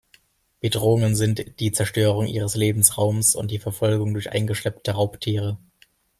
Bedrohungen sind die Zerstörung ihres Lebensraums und die Verfolgung durch eingeschleppte Raubtiere.